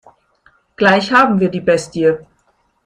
Gleich haben wir die Bestie.